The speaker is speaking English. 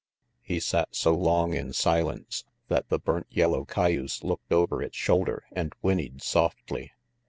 He sat so long in silence that the burnt yellow cayuse looked over its shoulder and whinnied softly.